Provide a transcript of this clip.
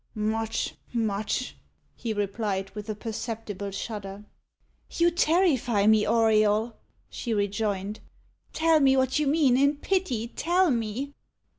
"Much, much," he replied, with a perceptible shudder. "You terrify me, Auriol," she rejoined. "Tell me what you mean in pity, tell me?"